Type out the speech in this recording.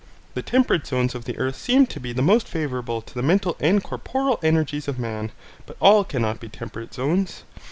The temperate zones of the earth seem to be the most favourable to the mental and corporal energies of man, but all cannot be temperate zones.